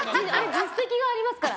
実績がありますから。